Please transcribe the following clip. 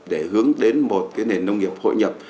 để hướng đến một nền nông nghiệp hội nhập